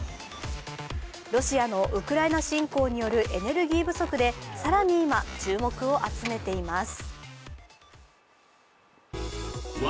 ロシアのウクライナ侵攻によるエネルギー不足で更に今、注目を集めています。